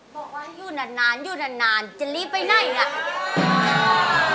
บอกว่าอยู่นานอยู่นานจะรีบไปไหนล่ะ